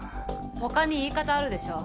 他に言い方あるでしょ。